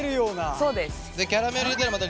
そうです。